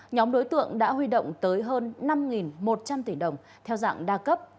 nhóm đối tượng đã huy động tới hơn năm một trăm linh tỷ đồng theo dạng đa cấp